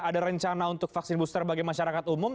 ada rencana untuk vaksin booster bagi masyarakat umum